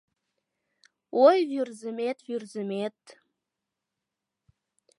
Ой, Вӱрзымет, Вӱрзымет -